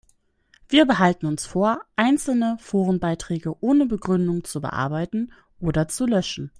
Wir behalten uns vor, einzelne Forenbeiträge ohne Begründung zu bearbeiten oder zu löschen.